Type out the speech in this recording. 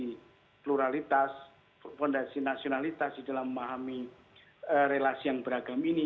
kondisi pluralitas fondasi nasionalitas di dalam memahami relasi yang beragam ini